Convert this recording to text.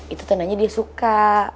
itu tandanya dia suka